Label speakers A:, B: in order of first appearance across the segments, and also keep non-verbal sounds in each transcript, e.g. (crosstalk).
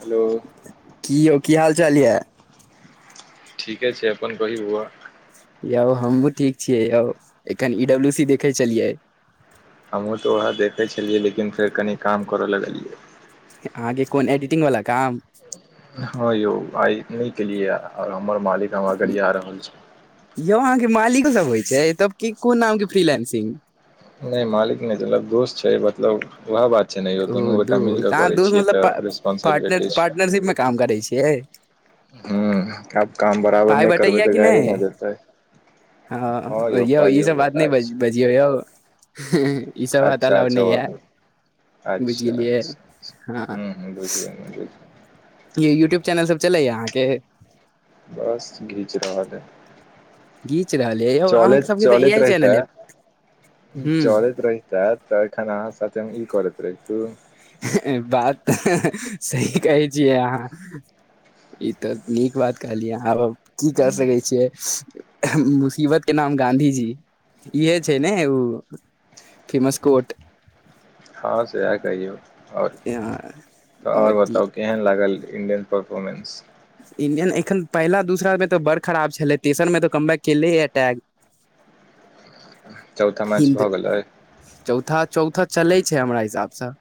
A: Hello
B: की यौ की हाल चाल यै
A: ठीके छै अपन कहि बौआ
B: यौ हमू ठीक छियै यौ एखन इ डब्लू सी देखै छलियै
A: हमहूँ तऽ उहै देखै छलियै लेकिन फेर कनि काम करय लगलियै
B: अहाँके कोन एडिटिंग वला काम
A: हँ यौ आइ नहि केलियै हमर मालिक हम गड़ीया रहल छै
B: यौ अहाँ के मालिको सब होइ छै तब की कोन नाम के फ्रीलेंसिंग
A: नइ मालिक नइ मतलब दोस्त छै मतलब वैह बात छै ने यौ दुनू
B: ओ
A: गोटा मिल
B: दोस्त
A: कऽ
B: अहाँ
A: करै
B: दोस्त
A: छियै तऽ
B: मतलब
A: रेस्पोंसिबिलिटी
B: पार्टनर पार्टनरशिप मे काम करै छियै
A: हुँ आब काम बराबर
B: पाइ
A: नइ करबे
B: बटैया
A: तऽ
B: कि
A: गायरे
B: नहि
A: न देतै
B: हँ यौ ई सब बात नइ बज बजियौ यौ (inaudible) ई सब
A: छै
B: बात
A: अच्छा
B: अलाव नइ
A: ओ
B: यै बुझि
A: अच्छा
B: गेलियै
A: अच्छा अच्छा
B: हँ
A: ह्म ह्म बुझि गेलियै बुझ
B: ये यूट्यूब चैनल सब चलैया अहाँके
A: बस घीच रहल ऐ
B: घीच रहल यै यौ अहाँ सबके तऽ
A: चलैत
B: चहे
A: रहितै
B: चैनल य
A: चलैत रहितै तऽ एखन अहाँ साथेे ई करैत रहितू
B: ह्ह बात तऽ सही कहै छियै अहाँ ई तऽ नीक बात कहलियै आहाँ अ अब की केय सकै
A: हँ
B: छियै मुसीबत के नाम गाँधी जी इहे छै ने उ फेमस कोट
A: हँ सेहे कहियौ और की तऽ
B: और की
A: बताउ कि केहन लागल इण्डियन परफॉर्मेन्स
B: इण्डियन एखन पहिला दूसरामे तऽ बड़ खराब छलै तेसरमे तऽ कमबैक केलै एटैक
A: चौथा मैच
B: हिन्द
A: भऽ गेलै
B: चौथा चौथा चलै छै हमरा हिसाबसँ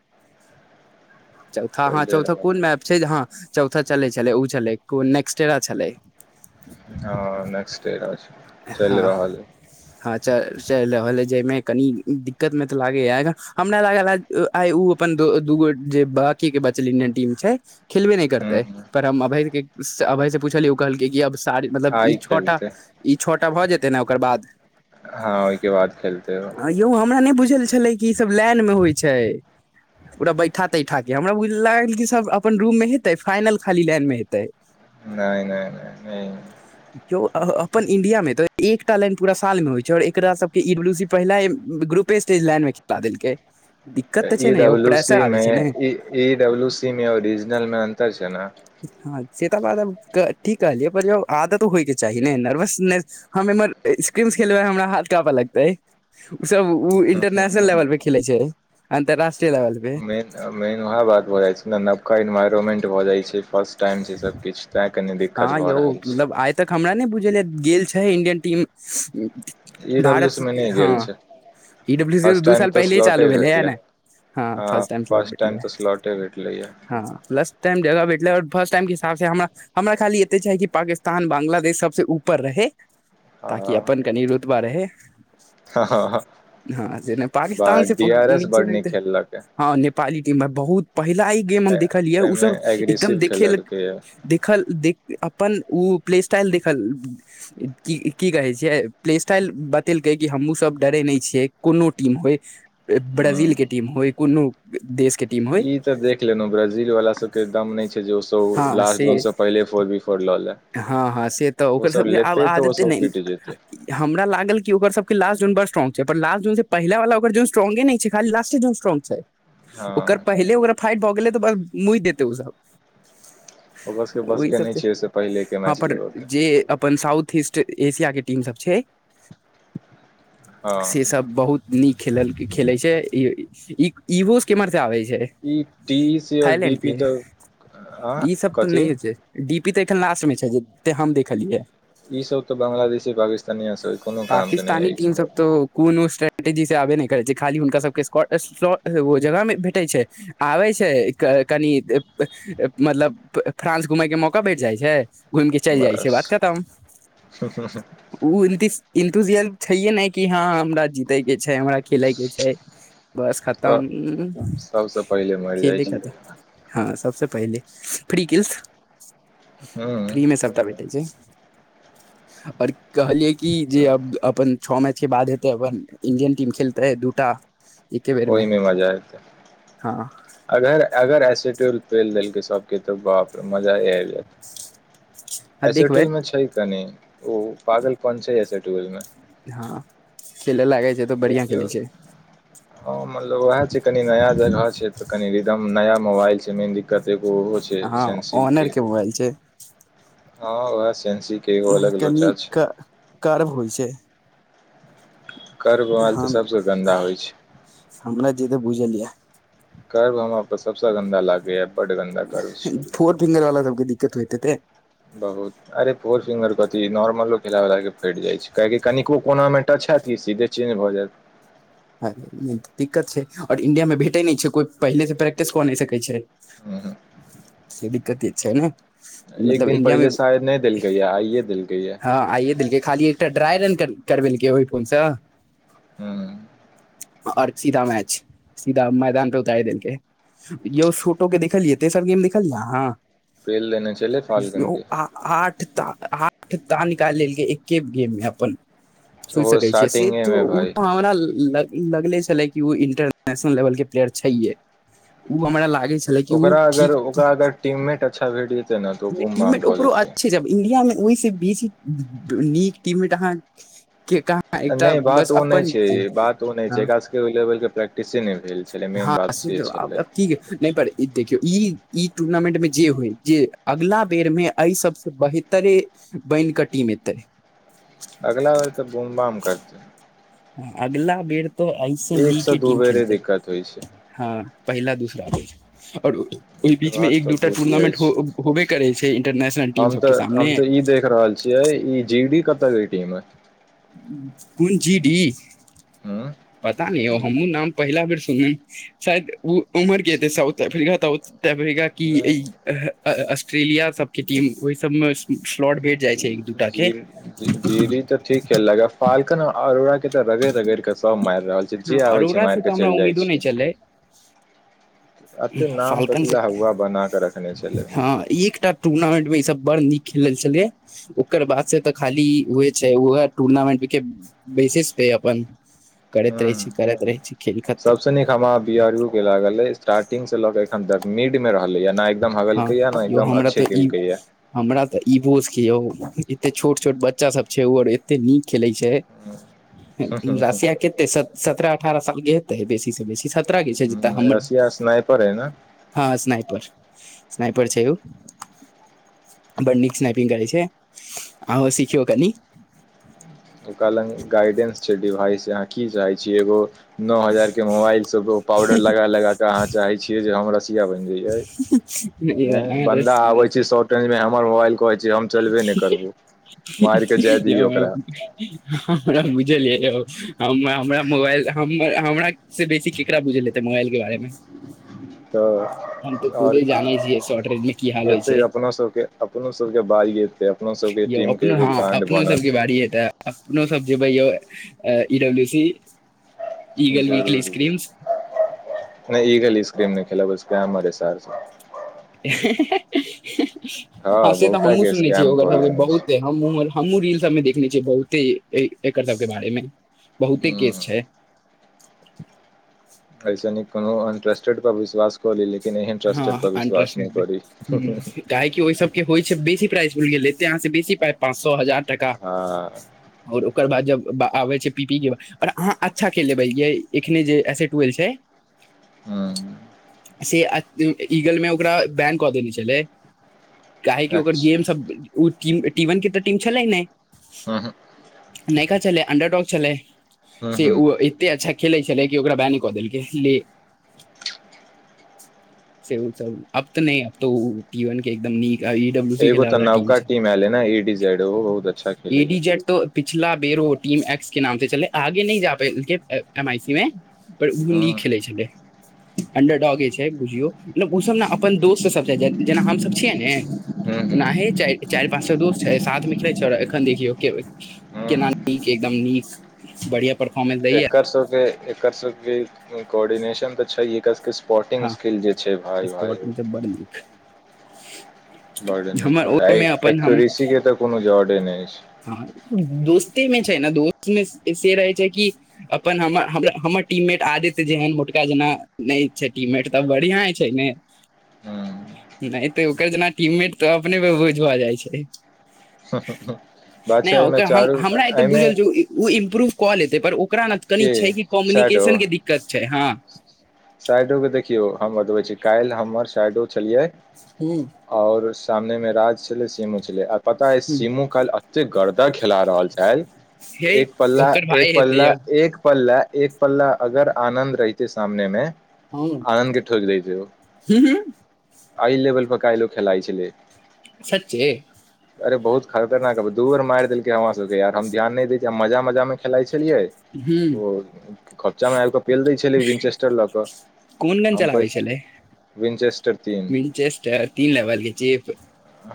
B: चौथा हँ
A: चलिए
B: चौथा
A: रहल
B: कोन मैप छै जे हँ चौथा चलै छलै छलै कोन नेक्सट्रा छलै
A: हँ नेक्स्ट्रा छै चलि
B: हँ
A: रहल अई
B: हँ च चलि रहल है जाहिमे कनी दिक्कत मे तऽ लागे यऽ हमरा लागल है आइ ओ अपन दु दूगो जे बाकी के बचल इंडियन टीम छै खेलबे नहि
A: ह
B: करते पर हम अभय के अभय से पूछलियै ओ कहलकै कि अब ताड़ी मतलब ई
A: आइ
B: छौ टा
A: खेलतै
B: ई छौटा भऽ जेतै न ओकर बाद
A: हँ ओहिके बाद खेलतै ओ
B: यौ हमरा नइ बुझल छलै कि ई सब लाइन मे होइ छै ओकरा बैठा तैठा के हमरा बुझ लागल कि सब अपन रूम मे हेतै फाइनल खाली लाइन मे हेतै
A: नहि नहि नहि नहि
B: केओ आ अह अपन इंडिया मे त एकटा लाइन पुरा साल मे होई छै और एकरा सब के ई डब्ल्यू सी पहिला ग्रुपे स्टेज लाइन मे दऽ देलकै दिक्कत
A: तऽ इ
B: छै ने यौ
A: डब्लू सी
B: प्रेशर आबै
A: मे
B: छै ने
A: ई ई डब्लू सी मे ओरिजिनल मे अन्तर छै न
B: हँ से तऽ बात आब ठीक कहलियै पर यौ आदत होयके चाही ने नर्वसनेस हम इमहर स्क्रीस खेलबे हमरा हाथ कापे लगतेै सब ओ
A: हूँ हूँ
B: इंटरनेशनल
A: हूँ
B: लेवल पे खेले छै अंतर्राष्ट्रीय लेवल पे
A: मेन मेन वहै बात भऽ जाइ छै ने नवका एन्वायरमेंट भऽ जाइ छै फर्स्ट टाइम छै सब किछ
B: हँ यौ मतलब आइ तक हमरा नहि बुझेलय गेल छै Indian team
A: E W C
B: भारत
A: मे नहि
B: हँ
A: गेल छै
B: ई डब्ल्यू सी त
A: फर्स्ट
B: दू
A: टाइम
B: साल
A: तऽ
B: पहिले ही चालू
A: स्लॉटे
B: भेलै ह
A: भेटलै
B: ने हँ
A: फर्स्ट टाइम तऽ स्लॉटे भेटलैए
B: (unintelligible) जगह भेटलै फर्स्ट टाइम के हिसाब से हमरा हमरा खाली एते छै कि पाकिस्तान बांग्लादेश सबसे ऊपर रहै ताकि अपन कनि रुतबा रहै
A: हँ ह हँ
B: हँ नहि पाकिस्तान से नीचे
A: बड नीक
B: रहते
A: खेललकै
B: हँ नेपाली टीम मे बहुत पहिला ई गेम हम देखलियै ओ
A: ताहिमे
B: सब एकदम
A: एग्रेसिव
B: देखे लऽ
A: खेललकैए
B: देखल देख अपन ओ प्ले स्टाइल देखल की की कहै छियै प्ले स्टाइल बतेलकै कि हमहूँसभ डरै नहि छियै कोनो टीम होइ ब्राजीलके टीम होइ कोनो देशके
A: ई तऽ देख लेलहु ब्राजील वाला सबकेदम नहि छै जे ओ सब
B: हँ से
A: लास्ट दीन सब पहिले फोर बिफोर लऽ लै
B: हँ हँ से तऽ ओकर सबके आब आदते
A: सब
B: नहि
A: पीट जेते
B: हमरा लागल कि ओकर सबके लासट जोन बड स्ट्रोंग छै पर लास्ट जोन से पहिला वला ओ जोन स्ट्रोंगे नहि छै खाली लास्टे जोन
A: हँ
B: ओकर पहिले ओकरा फाइट भऽ गेलै तऽ मुइत देतै ओ सब
A: ओकरसब के बस
B: ओहि
A: के
B: सब
A: नै
B: से
A: छै उसब
B: हँ पर जे अपन साउथ इस्ट ट एशिया के टीम सब छै से
A: हँ
B: सब बहुत नीक खेल खेले छै इगो केमहर से आबे छै
A: ई टी सी आओर डी
B: थाइलैंड
A: पी
B: के
A: तऽ आ
B: ई सब तऽ
A: कथी
B: नहिए छै डी पी तऽ एखन लास्ट मे छै जते हम देखलियै
A: ई सब तो बांग्लादेशी पाकिस्तानी सब कोनो काम के नहि
B: पाकिस्तानी
A: अइछ
B: टीम सब तो कोनो स्ट्रेटेजी से आबे नहि करे छै खाली हुनका सबके स्ट्रग जगह मे भेटै छै आबे छै कनि मतलब फ्रांस घूमेय के मौका भेट जाइ छै घूम के चलि जाइ छै
A: बस
B: बात खतम ओ इनतीस इन्तुजियल छैये ने कि हँ हमरा जीते के छै हमरा खेलके छै बस
A: तऽ
B: खतम
A: सबसँ पहिले मरि जाइ
B: खेले
A: छै
B: खतम हँ सबसँ पहिले फ्रिकीलस
A: हूँ
B: फ्री मे सभटा भेटै छै आओर कहलियै कि जे
A: तऽ
B: अब अपन छओ मैच के बाद हेतै अपन इंडियन टीम खेलतैै दूटा एके बेर मे
A: ओहिमे मजा एतै
B: हँ
A: अगर अगर ऐसेट पेल देलकै सभके तऽ बाप रे मजाए आब जैत
B: (inaudible) देखबै
A: एसेटल मे छै कनि ओ पागल कोन छै एसेटूल मे
B: हँ खेले लागे छै तऽ बढ़िया खेले
A: देखियौ
B: छै
A: ह मतलब वहै छै कनी नया जगह छै त कनी रिडम नया मोबाइल छै मे कतेकगो ओहो छै
B: हँ ऑनर
A: सेन्सीके
B: के मोबाइल छै
A: हँ वहै सेनसी के एगो अलग
B: कनि
A: लोचा छै
B: कर्व होइ छै
A: कर्ब मोबाइल तऽ
B: हम
A: सबसँ गन्दा होइ छै
B: हमरा जेतै बुझलयै
A: कर्ब हमरा पर सबसे गन्दा लागै यऽ
B: फोर फिंगर वाला सबके दिक्कत होयत हेतै
A: बहुत अरे फोर फिंगर कथी नोर्मलो खेला वला के कैट जाइ छै कनिको कोना मे टच हैत की सीधे चेन्ज भऽ जैत
B: अ दिक्कत छै आओर इंडियामे भेटै नइ छै कोइ पहिलेसँ प्रैक्टिस कऽ नइ सकै छै
A: हुँ
B: से दिक्कते छै नऽ
A: एक दिन पहिले शायद नइ देलकय यै आइयए देलकय यै
B: ह आइए देलक खाली एकटा ड्राय रन कर करबेलकै ओहि फोन सँ
A: हूँ
B: आओर सीधा मैच सीधा मैदान पर उताइर देलकै यौ शोटो के देखलियै तेसर गेम देखलियै आहाँ
A: बेल देने चले फाल्गुन के
B: आठ ता आठ ता निकाल लेलकै एके गेम मे अपन सोइच
A: ओहो
B: सकै छियै से
A: स्टार्टिंगे
B: त
A: मे
B: ओ
A: भाय
B: तऽ हमरा ल लगले छले कि उऽ इंटरनेशनल लेवल के प्लेयर छैेहिये उ हमरा लागै छलै कि उ
A: ओकरा अगर
B: ठीक
A: ओकरा अगर टीममेट अच्छा भेट जेतै ने तऽ ओ बूम
B: टीम
A: बाम
B: मेट
A: कऽ
B: ओकरो
A: देतै
B: अच्छे इंडिया मे ओहि से बेसी नीक टीम मेट अहाँक
A: नैय बात ओ नइ छै बात ओ नइ छै एकरा सबके ओहि लेवल के प्रैक्टिसे नइ भेलय
B: हँ से तऽ आब आब नय पर ई देखियौ ई ई टूर्नामेंट मे जे होय जे अगला बेर मे एहि सबस बेहतरे बैन क टीम एतै
A: अगला बेर तऽ बुम बाम करतै
B: अगला बेर त एहिऐ
A: एक से
B: नीके
A: दू
B: टीम
A: बेरे
B: खेलतै
A: दिक्कत होइ छै
B: हँ पहिला दूसरा बेच आओर ओहि
A: एहिके
B: बीच मे
A: बाद
B: एक
A: तऽ
B: दू टा
A: बुझि जाइ
B: टूर्नामेंट
A: छै
B: होबे करै छै इंटरनेशनल टीम सबके सामने
A: छिये ई जी डी कतअ यऽ टीम मऽ
B: कुन जि डी
A: हँ
B: पता न ओ हमू नाम पहिला बेर सुन लियय शायद ओ उमहर के हेतय साउथ अफ्रीका ताउथ साउथ अफ्रीका कि
A: नहि
B: ऑस्ट्रेलिया सबके टीम ओहि सब म स्लॉट भेट जाइ छै एक दू टा के
A: खेललह फाल्कन अरोड़ा के तऽ रगैड़ रगैड़ के सब मारि रहल छै जे आबै छै
B: अरोड़ा से
A: मारि
B: तऽ
A: कऽ
B: हमरा
A: चलि जाइ
B: उम्मीदो नहि
A: छै
B: छलै
A: एते नाम
B: फाल्कन
A: कथि
B: से
A: लऽ होआ बना क रखने छलै
B: हँ एक टा टूर्नामेंट मे ई सब बड़ नीक खेलल छलै यऽ ओकर बाद से तऽ खाली उहे छै उहै टूर्नामेंट केऽ बेसिस पे अपन करैत रहै छै
A: हूँ
B: करैत रहै छै खेल खतम
A: लागलै स्टारटिंगग से लऽ के एखन तक मिड मे रहले या नइ एकदम हगल के य
B: हँ
A: नइ
B: यौ
A: एकदम
B: हमरा
A: अच्छे
B: तऽ ई
A: केलक ये
B: हमरा तऽ ई बोस के यौ एते छोट छोट बच्चा सब छै उ अर एते नीक खेलै छै रसिया कते सत्रह अठारह सालके हेतै बेसी से बेसी सत्रह के छै जैते हमर
A: रसिया स्नाइपर अइ ने
B: हँ स्नाइपर स्नाइपर छै उऽ बड नीक स्नपिंग करै छै आहुँ सिखियौ कनि
A: ओकरा लंग गाइडेंस छै डिभाइस आहाँ की चाहै छी एगो नओ हजार के मोबाइल सब पाउडर लगा लगाक अहाँ चाहे छीयै जे हम रसिया बैन जाइये बंदा आबै छै शॉर्ट रेंज मे हमर मोबाइल कहै जे हम चलबे नहि करबौ मारिके जाए दियौ ओकरा
B: हमरा बुझलियै ओ हमरा मोबाइल हमरा से बेसी केकरा बुझल हेतै मोबाइल के बारे मे
A: तऽ
B: हम तऽ
A: आओर
B: खुदे
A: कि
B: जानै छियै शॉर्ट रेंज मे की हाल होइ
A: एतै
B: छै
A: अपनो सबके अपनो सबके बारी एतै
B: यौ अपनो हँ अपनो सबके बारी एतै अपनो सब् जेबैयौ इ डब्ल्यू सी ईगल
A: जरूर
B: वलस क्रीम्स
A: नहि ईग इसकीम नहि खेलबैसक मरे सारस
B: हँ
A: हँ
B: से तऽ
A: बहुता
B: हमू
A: के
B: सुने छी
A: स्कैम
B: ओ
A: कऽ
B: क
A: लेने छै
B: बहुत हमहुँ रील सब में देखने छियै बहुते एकर सब के बारे मे बहुते केस छै
A: ह ऐस नीक कोन अन्ट्रस्टेड प विश्वास कोलक
B: हँ (unintelligible) ओहि सब होइ छै बेसी प्राइसुल गेलते अहाँ से बेसी पाय पाँच सए हजार टका
A: हँ
B: और ओकर बाद जब आबे छै पी पी के ओर अहाँ अच्छा खेल लेबै य एखने जे ऐसेटुेल छै
A: हँ
B: से ईगल मे ओकरा बैन कऽ देनेे छलै काहेकि ओकर गेम
A: अच्छा
B: सब ओ टी वन के तऽ टीम छलै ने
A: हँ हँ
B: नयका चलै अंडर डाग छललै
A: ह
B: से
A: ह
B: ओ एते अच्छा खेले छलै क कि ओकरा बै न कऽ देलकै ले से अब तऽ नहि अब तो ओ पीवन के एकदम नीक आ ई डब्ल्यू सी
A: एगो
B: खेले
A: तऽ
B: वाला
A: नवका
B: छै
A: टीम एल ह न एडीड बहुत अच्छा खेले ह
B: त पिछला बेरो म एक्स के नाम से चले आगे नहि जा प एम आई सी मे पर ओहो नीक
A: ह
B: खेले छलै अंडर डॉगे जे छै बुझियौ मतलब ओसभ ने अपन दोस्तसभ छै जेना हमसभ छियै ने
A: ह
B: ओनाह चार चारि पाँच स दोस्त छै साथमे खेलैत छै एखन देखियौ
A: ह
B: के न
A: ह
B: न एकदम नीक बढ़िया परफोर्मेंस दैया
A: एकरसो के एकरस कोर्डिनेशन तऽ छै स्पोर्टिंग स्किल जे छै भाय भाय
B: बड़ नीक हमर ओहिमे अपन हम
A: बर्डेसी के तऽ कोनो जर्डे नहि
B: हँ दोस्ते मे छै ने दोस्तमे ऐसे रहै छै कि अपन हमर हमर टीममेट आदित्य जेहन मोटका जेना नहि छै टीममेट तऽ बढ़िया छै ने नहि तऽ ओकर जेना टीममेट तऽ अपने पर भोज भऽ जाइ छै
A: हँ ह हँ
B: नहि ओकर हमरा एतऽ बुझ ई ओ इम्प्रूव कऽ ले पर ओकरा ने कनी
A: के
B: छै कि
A: शैडो
B: कम्युनिकेशन के दिक्कत छै हँ
A: साइडो के देखियो हम बतबे छी काल्हि हमर साइडो छलियै
B: हू
A: और सामने में राज छलले सिमू छले आ पता है सिमू काल एते गर्दा खेला रहल छै
B: हे
A: एक पल्ला
B: ओकर
A: एक
B: भाय हेतै
A: पल्ला
B: यौ
A: एक पल्ला एक पल्ला अगर आनन्द रहितै सामने मे
B: हूँ
A: आनन्द के ठोक देतै ओ एहि लेवल पर काल्हि ओ खेलाइ छलै
B: सचे
A: अरे बहुत खतरनाक हब दूर मारि देलकै हमरा सबके यार हम ध्यान नहि दै छिय हम मजा मजामे खेलाइ छलियै
B: हूँ
A: ओ खोपचा मे आबि कऽ पेल दै छलै विंचेस्टर लऽ कऽ
B: कोन गन
A: हम कहै
B: चलाबै
A: छी विंचेस्टर तीन
B: छलैंचेस्टर तीन लेवल के चिप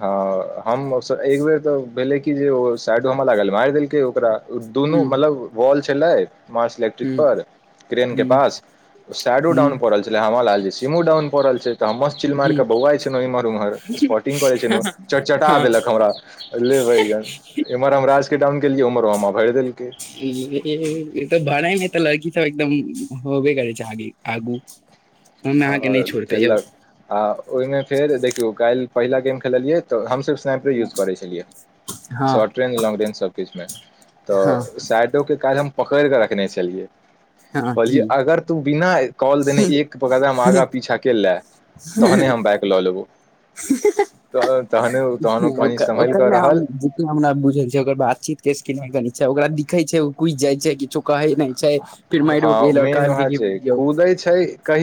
A: हँ हम एक बेर तऽ भेले कि जे ओ साइडो हमरा लागल मारि देलकै ओकरा दुनू
B: हूँ
A: मतलब बॉल छलै मास्ट इलेक्ट्रिक
B: हूँ
A: पर क्रेन के
B: हूँ
A: पास
B: हूँ
A: सैडोडाउन प रहल छै हॅं राम लाल जे सिमोडाउन भऽ रहल छै तऽ हमस चिल मार
B: हूँ
A: के बौआ छ छलहु इमहर उम्हर स्पर्टिंग करे छलहु चट का
B: हँ
A: देलक हमरा ले भैया एम्हर हम राज के डाउन केलियै उम्हरो हमा भरि देलकै
B: इ ए ए तऽ बड़ा ने तऽ लड़की सब एकदम होबे करै छै आगे आगू हमे अहाँके नहि
A: आओर
B: छोड़ते यौ
A: खेललक आ ओहिमे फेर देखियौ काल्हि पहिला गेम खेललियै तऽ हमसभ स्नैपरे यूज करैय छलियै
B: हँ
A: शॉर्ट ट्रेन लांग रेंज सब किछ में
B: हँ
A: तऽ साइडो के कारण हम पकड़ के रखने छलियै
B: हँ
A: कहलै
B: की
A: अगर तू बिना कॉल देने एक हम आगा पीछा के ले तहने हम बाइक लऽ लेबो तऽ तहन तहनो कहि समहल कऽ रहल
B: हमना बुझल छै ओकर बातचीत के स्क क छै ओकरा दिखय छै ओ कुदि जाय छै किछो कहे नहि छै फिर मारि
A: हँ
B: गेल आओर
A: मेन उएह
B: कहलक यौ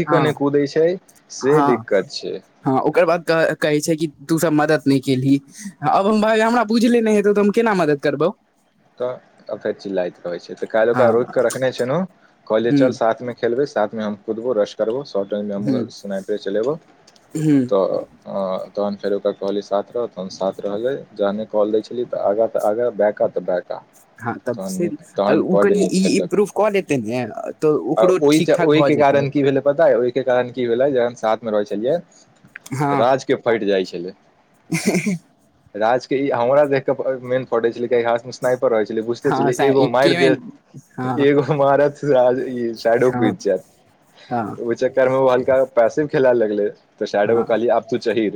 B: हँ
A: कुदै छै से
B: हँ
A: दिक्कत छै
B: हँ ओकर बाद कहै छै कि तू सब मदद नहि केलही आब हम भाय हमरा बुझले नहि हेतै तऽ हम केना मदद करबौ
A: तऽ फेर चिल्लाइत रहैत छै तऽ काल्हि
B: हँ
A: ओकरा रोक क रखने छैहु कले
B: हुँ
A: चल साथ मे खेलबै साथमे हम कुदबो रश करबौ सॉफ्ट ड्रिन्कमे
B: हुँ
A: हमहुूँ सनाइपे चलेबौ
B: हुँ
A: तऽ आऽ तहन फेर ओरा कहली साथ रह तहन साथ रहलै जहने कॉल दै छलिए आग त आगा बैक त बैक।
B: हँ तब ओ
A: बड्ड
B: कनि
A: नीक
B: ई
A: खेललक
B: इम्प्रूफ कऽ देतै ने तऽ
A: आ
B: ओकरो
A: ओहि
B: ठीक ठाक भऽ
A: ओहिके
B: जेतै
A: कारण की भेलै पताया के कारण की भेलै जखन साथ मे रहै छलियै
B: हँ
A: राज के फटि जाइ छलै
B: (inaudible)
A: राज के ई हमरा देख के मेन फटे छलै। स्नपर होइ छलै बुझत छलै
B: हँ
A: एगो मार
B: एके मे
A: दे तऽ
B: हँ
A: एगो मार तऽ आज साइडो कऽ
B: हँ
A: इ जात
B: हँ
A: त ओहि चक्करमें हलका पैसे भऽ खेल लगले तो शायदो
B: हँ
A: कहली आब तू चहीर